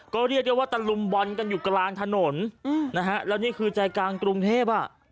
ก็เรียกได้ว่าตะลุมบอลกันอยู่กลางถนนนะฮะแล้วนี่คือใจกลางกรุงเทพอ่ะ